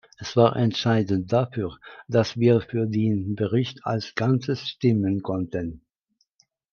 Es war entscheidend dafür, dass wir für den Bericht als Ganzes stimmen konnten.